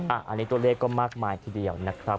อันนี้ตัวเลขก็มากมายทีเดียวนะครับ